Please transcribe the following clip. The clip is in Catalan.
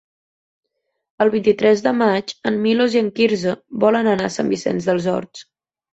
El vint-i-tres de maig en Milos i en Quirze volen anar a Sant Vicenç dels Horts.